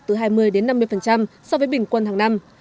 từ hai mươi năm mươi so với bình quân hàng năm